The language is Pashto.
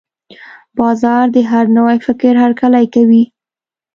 بازار د هر نوي فکر هرکلی کوي.